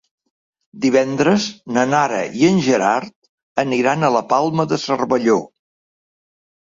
Divendres na Nara i en Gerard aniran a la Palma de Cervelló.